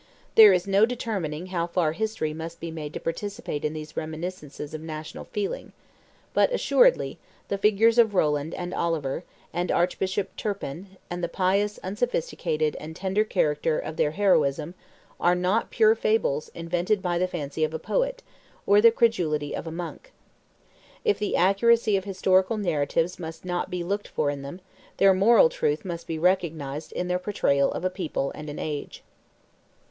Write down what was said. There is no determining how far history must be made to participate in these reminiscences of national feeling; but, assuredly, the figures of Roland and Oliver, and Archbishop Turpin, and the pious, unsophisticated and tender character of their heroism are not pure fables invented by the fancy of a poet, or the credulity of a monk. If the accuracy of historical narrative must not be looked for in them, their moral truth must be recognized in their portrayal of a people and an age.